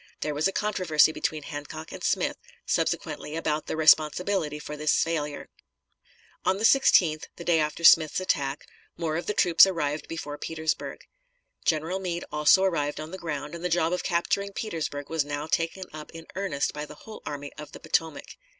There was a controversy between Hancock and Smith subsequently about the responsibility for this failure. On June 16th, the day after Smith's attack, more of the troops arrived before Petersburg. General Meade also arrived on the ground, and the job of capturing Petersburg was now taken up in earnest by the whole Army of the Potomac.